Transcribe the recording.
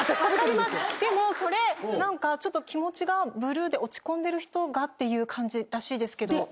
でもそれちょっと気持ちがブルーで落ち込んでる人がっていう感じらしいですけど。